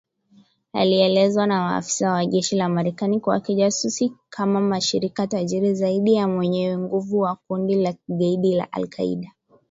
alielezwa na maafisa wa jeshi la Marekani kuwa kijasusi kama mshirika tajiri zaidi na mwenye nguvu wa kundi la kigaidi la al-Kaida